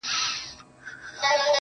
اوس کېفیت زما د غم بدل دے